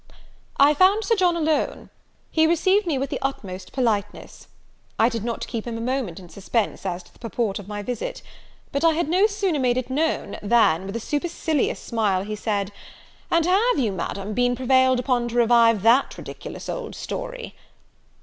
"I found Sir John alone. He received me with the utmost politeness. I did not keep him a moment in suspense as to the purport of my visit. But I had no sooner made it known, than, with a supercilious smile, he said, 'And have you, Madam, been prevailed upon to revive that ridiculous old story?'